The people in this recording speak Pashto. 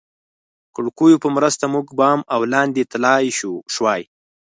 کړکیو په مرسته موږ بام او لاندې تلای شوای.